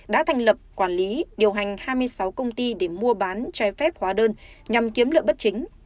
đã thành lập quản lý điều hành hai mươi sáu công ty để mua bán trái phép hóa đơn nhằm kiếm lợi bất chính